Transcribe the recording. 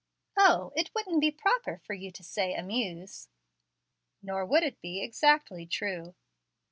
"O, it wouldn't be proper for you to say 'amuse.'" "Nor would it be exactly true."